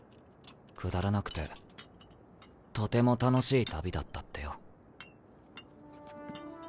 くだらなくてとても楽しい旅だったってよ。